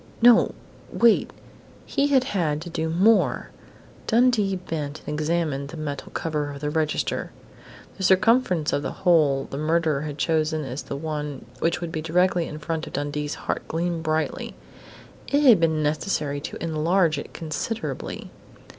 No, wait! He had had to do more! Dundee bent and examined the metal cover of the register. The circumference of the hole the murderer had chosen as the one which would be directly in front of Dundee's heart gleamed brightly. It had been necessary to enlarge it considerably.